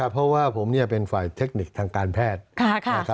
เพราะว่าผมเป็นฝ่ายเทคนิคทางการแพทย์